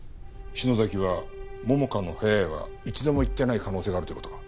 篠崎は桃花の部屋へは一度も行ってない可能性があるという事か？